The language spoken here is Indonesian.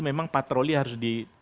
memang patroli harus